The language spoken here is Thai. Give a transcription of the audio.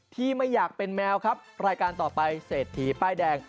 ไม่อยากเป็นแมวครับรายการต่อไปเศรษฐีป้ายแดง